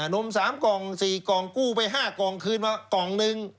นม๓กล่อง๔กล่องกู้ไป๕กล่องคืนมากล่องหนึ่ง